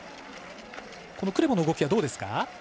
クレボの動きはどうですか？